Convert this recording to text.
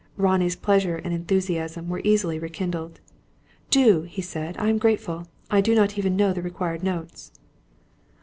Ronnie's pleasure and enthusiasm were easily rekindled. "Do," he said. "I am grateful. I do not even know the required notes."